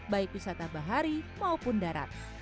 baik wisata bahari maupun darat